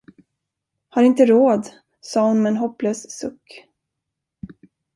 Har inte råd, sade hon med en hopplös suck.